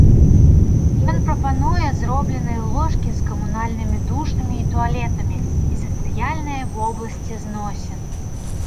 Ён прапануе зробленыя ложкі з камунальнымі душамі і туалетамі, і сацыяльныя вобласці зносін.